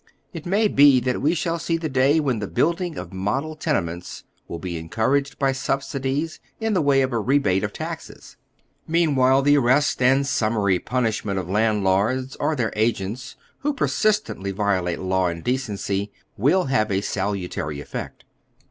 It may be that we shall see the day when the building of model tenements will be encouraged by subsidies in the way of a rebate of taxes. Meanwhile the arrest and summary punishment of landlords, or their agents, who persistently violate law and decency, will have a salutary effect.